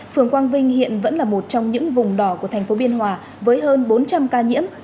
phường quang vinh hiện vẫn là một trong những vùng đỏ của thành phố biên hòa với hơn bốn trăm linh ca nhiễm